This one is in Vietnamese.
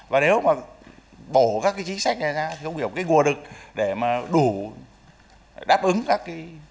và nếu mà bổ các cái chính sách này ra thì không hiểu cái gùa đực để mà đủ đáp ứng các cái